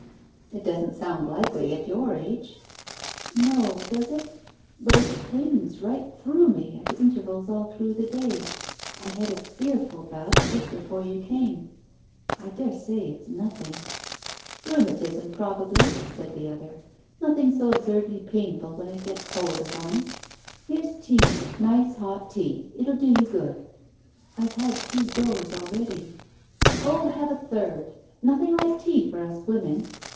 "It doesn't sound likely, at your age." "No, does it? But it's pains right through me at intervals all through the day. I had a fearful bout, just before you came. I daresay it's nothing " "Rheumatism, probably," said the other. "Nothing so absurdly painful when it gets hold of one. Here's tea — nice hot tea. It will do you good." "I've had two goes already." "Oh, have a third ! Nothing like tea for us women